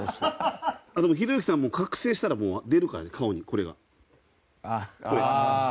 ひろゆきさんも、覚醒したら出るから、これが。